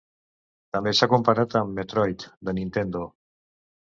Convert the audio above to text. També s'ha comparat amb "Metroid" de Nintendo.